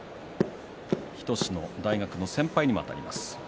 日翔志の大学の先輩にもあたります。